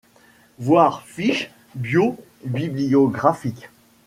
Voir fiche bio-bibliographique.